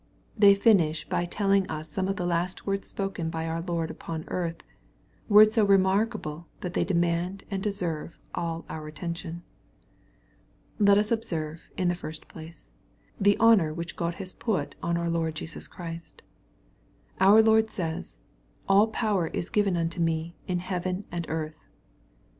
They finish by telling us some of the last words spoken by our Lord upon earth, — words so remarkable that they demand and deserve all our attention. Let us observe, in the first place, the honor which God has put on our Lord Jesus Christ. Our Lord says, " all power is given unto me, in heaven and earth.''